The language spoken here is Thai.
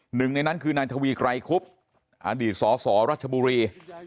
หนึ่งในนั้นคือนายทวีไกรคุบอดีตสสรัชบุรี